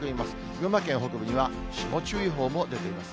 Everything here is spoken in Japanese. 群馬県北部には霜注意報も出ています。